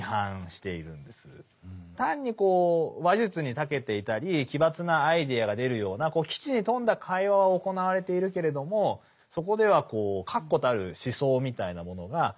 単に話術に長けていたり奇抜なアイデアが出るような機知に富んだ会話は行われているけれどもそこでは確固たる思想みたいなものがない。